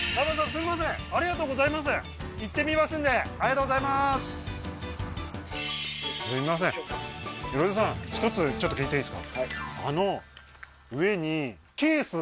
すいませんありがとうございます行ってみますんでありがとうございまーすすいません萬さん一つちょっと聞いていいですか？